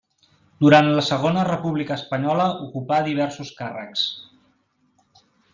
Durant la Segona República Espanyola ocupà diversos càrrecs.